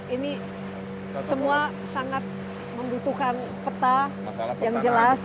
ini semua sangat membutuhkan peta yang jelas